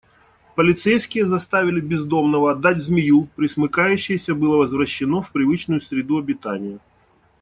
Полицейские заставили бездомного отдать змею, пресмыкающееся было возвращено в привычную среду обитания.